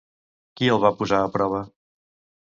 Qui el va posar a prova?